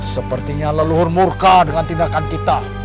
sepertinya leluhur murka dengan tindakan kita